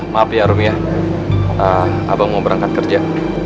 maaf ya romy ya abang mau berangkat kerja